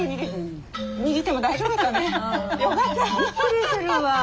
びっくりするわ。